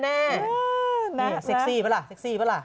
แม่สักสิ่งป่าล่ะสักสิ่งป่าล่ะ